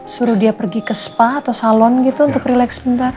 suruh dia pergi ke spa atau salon gitu untuk relax sebentar